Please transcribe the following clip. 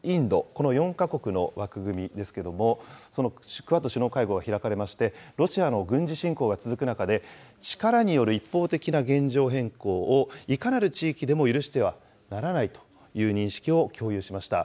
この４か国の枠組みですけども、クアッド首脳会合が開かれまして、ロシアの軍事侵攻が続く中で、力による一方的な現状変更をいかなる地域でも許してはならないという認識を共有しました。